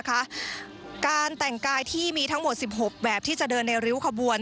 การแต่งกายที่มีทั้งหมด๑๖แบบที่จะเดินในริ้วขบวน